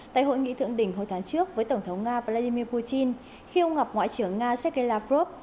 tại hội nghị thượng đỉnh hồi tháng trước với tổng thống nga vladimir putin khi ông gặp ngoại trưởng nga sergei lavrov